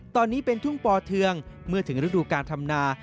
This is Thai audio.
ตอนนี้เป็นทุ่งปอเทืองเมื่อถึงฤดูการทำนา